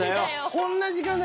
こんな時間だ。